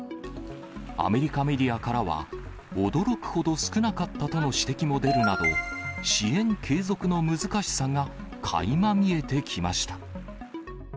アメリカメディアからは、驚くほど少なかったとの指摘も出るなど、支援継続の難しさがかいま見えてきました。